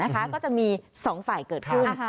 ก็จะมี๒ฝ่ายเกิดขึ้น